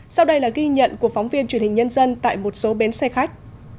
sau đây là ghi nhận của phóng viên truyền hình nhân dân tại một số bến xe khách